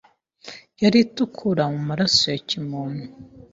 yari itukura namaraso ya kimuntu